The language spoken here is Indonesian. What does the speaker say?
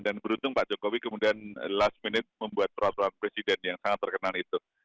dan beruntung pak jokowi kemudian last minute membuat peraturan presiden yang sangat terkenal itu